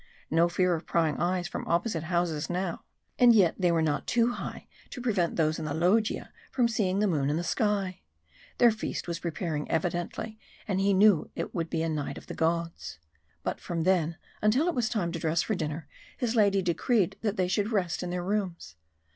No fear of prying eyes from opposite houses now! And yet they were not too high to prevent those in the loggia from seeing the moon and the sky. Their feast was preparing evidently, and he knew it would be a night of the gods. But from then until it was time to dress for dinner his lady decreed that they should rest in their rooms.